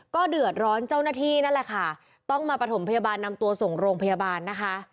ก็เดือดร้อนเจ้าหน้าที่นั่นแหละค่ะต้องมาประถมพยาบาลนำตัวส่งโรงพยาบาลนะคะ